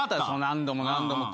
何度も何度も。